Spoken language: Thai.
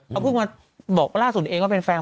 เขาเพิ่งมาบอกล่าสุดเองว่าเป็นแฟน